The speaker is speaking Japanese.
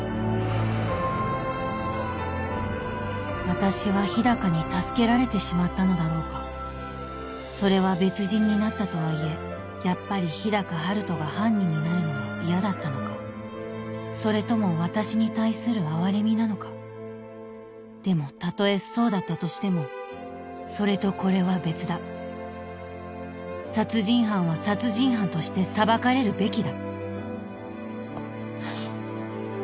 私は日高に助けられてしまったのだろうかそれは別人になったとはいえやっぱり日高陽斗が犯人になるのは嫌だったのかそれとも私に対する哀れみなのかでもたとえそうだったとしてもそれとこれは別だ殺人犯は殺人犯として裁かれるべきだ